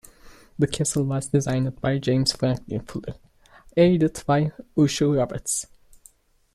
The castle was designed by James Franklin Fuller, aided by Ussher Roberts.